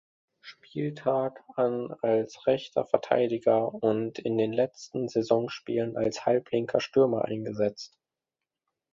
Spieltag an als rechter Verteidiger und in den letzten Saisonspielen als halblinker Stürmer eingesetzt.